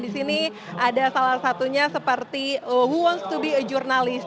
di sini ada salah satunya seperti wonst to be a journalist